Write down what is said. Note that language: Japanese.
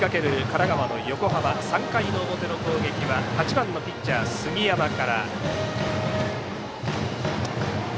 神奈川の横浜３回の表の攻撃は８番のピッチャー杉山から。